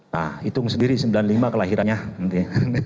nah hitung sendiri sembilan puluh lima kelahirannya nanti ya